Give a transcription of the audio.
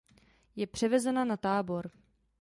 Je převezena na Tábor.